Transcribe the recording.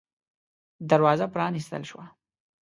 دروازه پًرانيستل شوه.